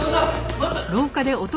待って！